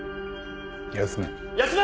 休め。